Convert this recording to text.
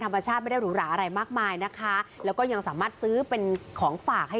ไม่ได้หรูหราอะไรมากมายนะคะแล้วก็ยังสามารถซื้อเป็นของฝากให้